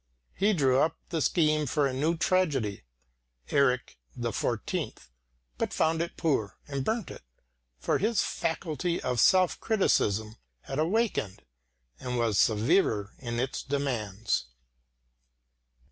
He drew up the scheme of a new tragedy, Eric XIV, but found it poor, and burnt it, for his faculty of self criticism had awakened and was severer in its demands.